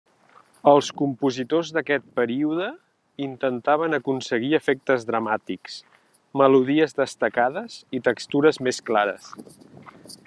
Els compositors d'aquest període intentaven aconseguir efectes dramàtics, melodies destacades, i textures més clares.